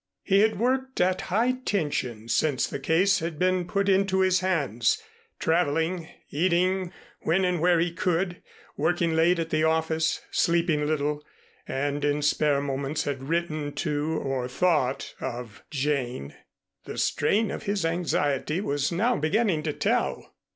He had worked at high tension since the case had been put into his hands, traveling, eating when and where he could, working late at the office, sleeping little, and in spare moments had written to or thought of Jane. The strain of his anxiety was now beginning to tell.